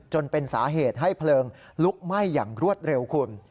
จนเป็นสาเหตุให้เพลิงลุกไหม้อย่างรวดเร็วคุณ